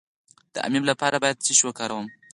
د امیب لپاره باید څه شی وکاروم؟